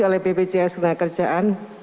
oleh bpjs ketenangan kerjaan